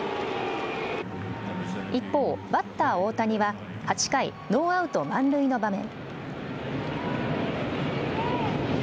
一方、バッター、大谷は８回ノーアウト満塁の場面。